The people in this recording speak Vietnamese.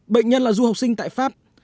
bệnh nhân là du học sinh tại pháp